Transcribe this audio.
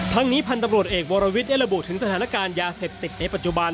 ทั้งนี้พันธุ์ตำรวจเอกวรวิทย์ได้ระบุถึงสถานการณ์ยาเสพติดในปัจจุบัน